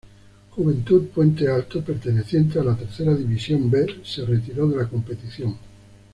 Juventud Puente Alto, perteneciente a la Tercera División B, se retiró de la competición.